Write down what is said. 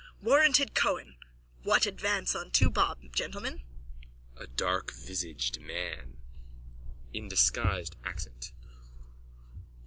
Warranted Cohen! What advance on two bob, gentlemen? A DARKVISAGED MAN: _(In disguised accent.)